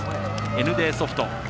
ＮＤソフト。